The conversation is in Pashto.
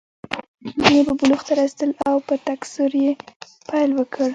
ځینې به بلوغ ته رسېدل او په تکثر یې پیل وکړ.